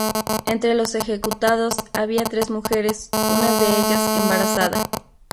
Entre los ejecutados había tres mujeres, una de ellas embarazada.